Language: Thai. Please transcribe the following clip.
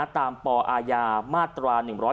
ตามปอมาตร๑๔๕